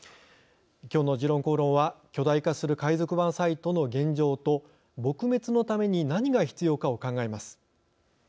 きょうの「時論公論」は巨大化する海賊版サイトの現状と撲滅のために何が必要かを考えます。